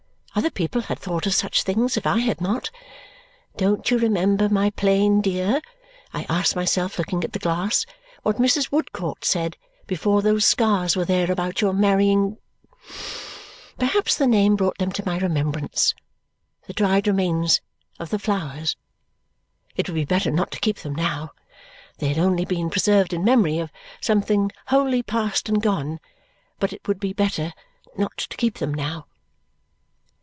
Other people had thought of such things, if I had not. "Don't you remember, my plain dear," I asked myself, looking at the glass, "what Mrs. Woodcourt said before those scars were there about your marrying " Perhaps the name brought them to my remembrance. The dried remains of the flowers. It would be better not to keep them now. They had only been preserved in memory of something wholly past and gone, but it would be better not to keep them now.